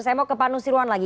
saya mau ke pak nusirwan lagi